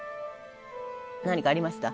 何かありました？